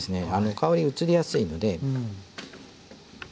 香り移りやすいので。